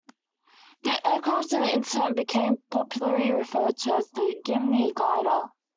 The aircraft in the incident became popularly referred to as the Gimli Glider.